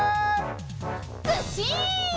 ずっしん！